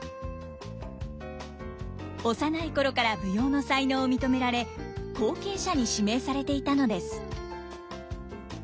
幼い頃から舞踊の才能を認められ後継者に指名されていたのです。